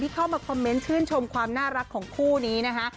เข้ามาคอมเมนต์ชื่นชมความน่ารักของคู่นี้นะคะ